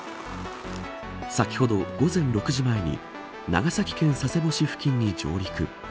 先ほど、午前６時前に長崎県佐世保市付近に上陸。